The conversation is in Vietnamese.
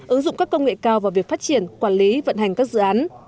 ứng dụng các công nghệ cao vào việc phát triển quản lý vận hành các dự án